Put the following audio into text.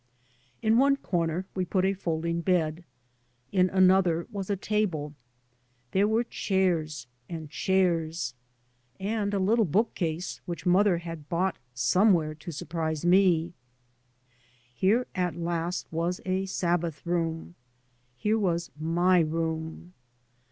In one corner we put a folding bed. In another was a table. There were chairs and chairs. And a little book case which mother had bought somewhere to surprise me. Here at last was a " Sabbath room." Here was my room.